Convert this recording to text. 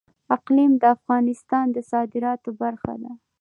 اقلیم د افغانستان د صادراتو برخه ده.